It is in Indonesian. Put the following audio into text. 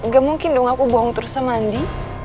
gak mungkin dong aku bohong terus sama andi